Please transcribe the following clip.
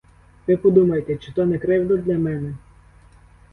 Ви подумайте: чи то не кривда для мене?